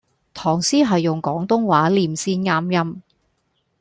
唐詩係用廣東話唸先啱音